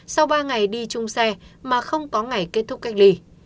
sau ba ngày đi chung xe mà không có ngày kết thúc cách ly